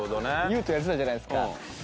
優斗やってたじゃないですか。